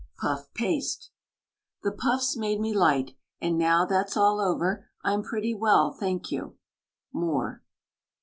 PUFF PASTE. The puffs made me light, And now that's all over, I'm pretty well, thank you. MOORE.